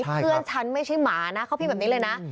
เพื่อนฉันไม่ใช่หมานะเขาพี่แบบนี้เลยนะ